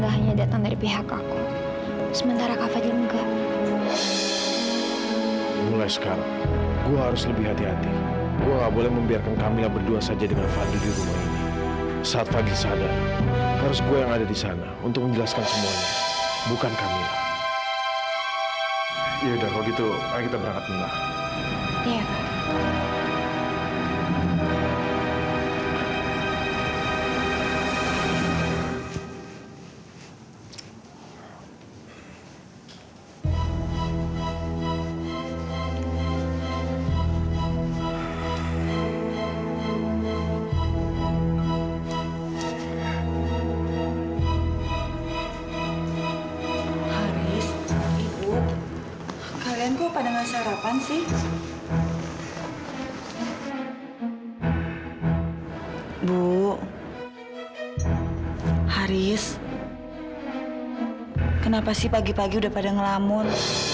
haris kenapa sih pagi pagi udah pada ngelamun